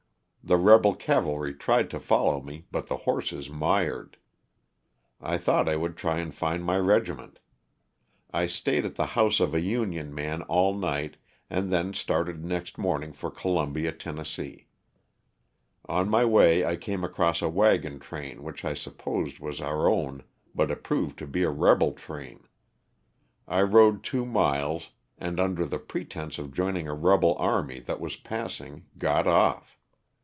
The rebel cavalry tried to follow me but the horses mired. I thought I would try and find my regiment. I stayed at the house of a Union man all night and then started next morning for Columbia, Tenn. On my way I came across a wagon train which I supposed was our own, but it proved to be a rebel train. I rode two miles, and under the pretense of joining a rebel army that was passing, got off.